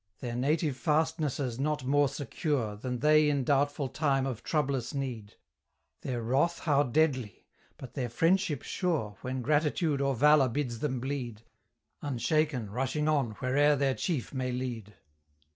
Their native fastnesses not more secure Than they in doubtful time of troublous need: Their wrath how deadly! but their friendship sure, When Gratitude or Valour bids them bleed, Unshaken rushing on where'er their chief may lead.